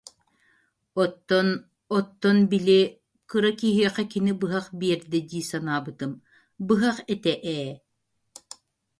Оттон, оттон, били, кыра киһиэхэ кини быһах биэрдэ дии санаабытым, быһах этэ ээ